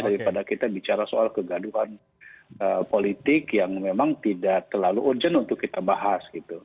daripada kita bicara soal kegaduhan politik yang memang tidak terlalu urgent untuk kita bahas gitu